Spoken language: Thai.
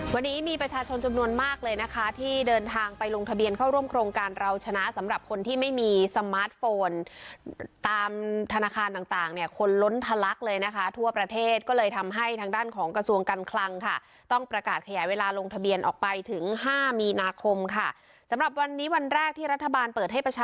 วันนี้มีประชาชนจำนวนมากเลยนะคะที่เดินทางไปลงทะเบียนเข้าร่วมโครงการเราชนะสำหรับคนที่ไม่มีสมาร์ทโฟนตามธนาคารต่างต่างเนี่ยคนล้นทะลักเลยนะคะทั่วประเทศก็เลยทำให้ทางด้านของกระทรวงการคลังค่ะต้องประกาศขยายเวลาลงทะเบียนออกไปถึงห้ามีนาคมค่ะสำหรับวันนี้วันแรกที่รัฐบาลเปิดให้ประช